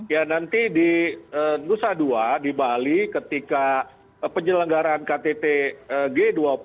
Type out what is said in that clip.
ya nanti di nusa dua di bali ketika penyelenggaraan ktt g dua puluh